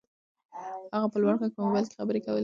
هغه په لوړ غږ په موبایل کې خبرې کولې.